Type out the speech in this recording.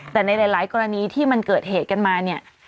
แต่ในหลายกรณีที่มันเกิดเหตุกันมาเนี่ย